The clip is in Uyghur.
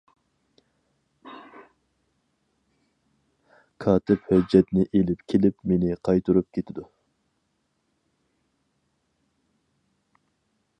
كاتىپ ھۆججەتنى ئېلىپ كېلىپ مېنى قايتۇرۇپ كېتىدۇ.